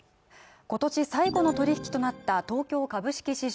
今年最後の取引となった東京株式市場。